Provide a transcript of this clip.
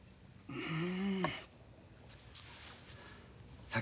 うん。